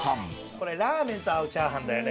これラーメンと合うチャーハンだよね。